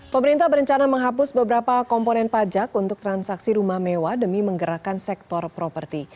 pemerintah berencana menghapus beberapa komponen pajak untuk transaksi rumah mewah demi menggerakkan sektor properti